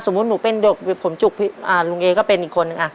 หนูเป็นเด็กผมจุกลุงเอก็เป็นอีกคนนึง